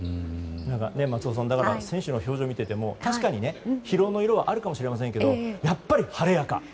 松尾さん、選手の表情を見ていても、確かに疲労の色はあるかもしれませんけどやっぱり晴れやか。